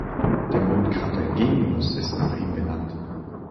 Der Mondkrater Geminus ist nach ihm benannt.